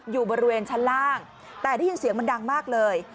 อยู่บริเวณชั้นล่างแต่ได้ยินเสียงมันดังมากเลย